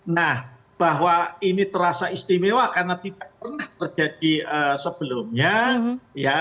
nah bahwa ini terasa istimewa karena tidak pernah terjadi sebelumnya ya